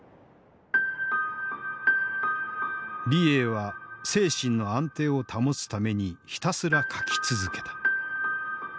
李鋭は精神の安定を保つためにひたすら書き続けた。